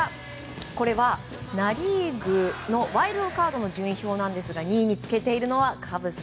これはナ・リーグのワイルドカードの順位表ですが２位につけているのはカブス。